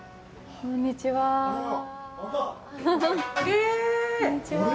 こんにちはあれ？